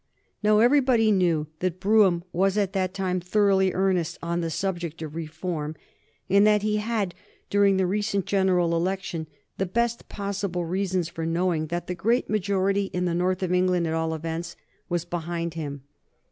Now everybody knew that Brougham was at that time thoroughly earnest on the subject of reform, and that he had, during the recent general election, the best possible reasons for knowing that the great majority in the North of England, at all events, was behind him.